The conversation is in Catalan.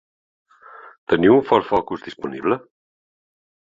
Teniu un Ford Focus disponible?